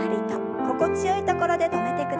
心地よいところで止めてください。